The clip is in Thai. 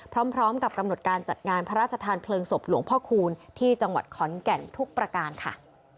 พร้อมกับกำหนดการจัดงานพระราชทานเพลิงศพหลวงพ่อคูณที่จังหวัดขอนแก่นทุกประการค่ะ